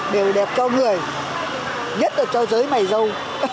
đều đẹp cho người nhất là cho giới mài dâu